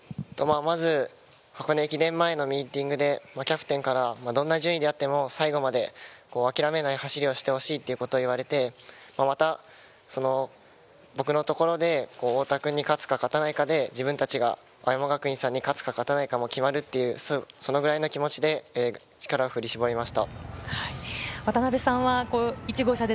箱根駅伝前のミーティングで、キャプテンから、どんな順位であっても最後まで諦めない走りをしてほしいと言われて、僕のところで太田君に勝つか勝たないかで自分たちが青山学院さんに勝つか勝たないかも決まる、そのくらいの気持ちで力を振り絞りました。